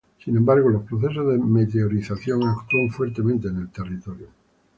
Sin embargo, los procesos de meteorización actúan fuertemente en el territorio.